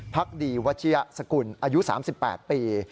พักดีวัชยสกุลอายุ๓๘ปี